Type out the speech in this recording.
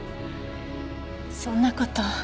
そんな事。